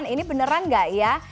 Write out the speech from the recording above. ini beneran gak ya